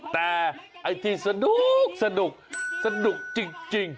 แต่ที่สนุกสนุกสนุกจริง